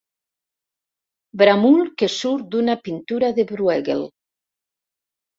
Bramul que surt d'una pintura de Brueghel.